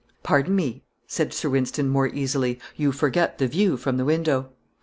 "Pardon me," said Sir Wynston, more easily, "you forget the view from the window."